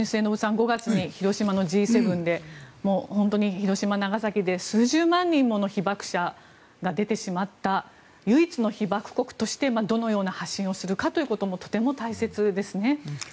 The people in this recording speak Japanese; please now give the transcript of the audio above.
５月に広島のＧ７で本当に広島、長崎で数十万人の被爆者が出てしまった唯一の被爆国としてどのような発信をするかもとても大切ですね。